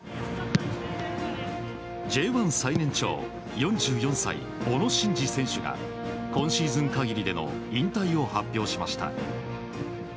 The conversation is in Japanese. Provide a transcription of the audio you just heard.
Ｊ１最年長４４歳、小野伸二選手が今シーズン限りでの引退を発表しました。